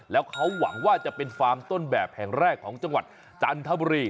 แล้วเขาหวังว่าจะเป็นฟาร์มต้นแบบแห่งแรกของจังหวัดจันทบุรี